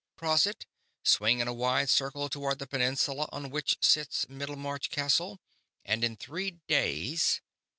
Cross it, swing in a wide circle toward the peninsula on which sits Middlemarch Castle, and in three days...?"